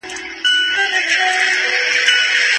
هغې وايي چې نورو څېړنو ته اړتیا شته.